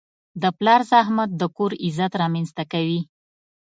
د پلار زحمت د کور عزت رامنځته کوي.